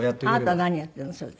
あなた何やってるの？